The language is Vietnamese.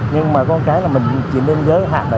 nhưng mà con cái là mình chỉ biên giới hạn